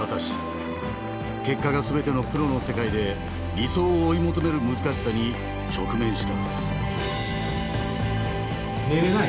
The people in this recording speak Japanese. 結果が全てのプロの世界で理想を思い求める難しさに直面した。